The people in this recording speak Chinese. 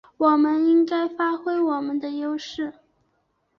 我们应该发挥我们的优势